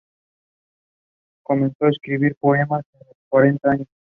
Comenzó a escribir poemas a los cuarenta años.